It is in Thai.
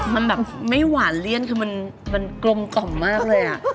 มันแบบไม่หวานเลี่ยนคือมันกลมกล่อมมากเลย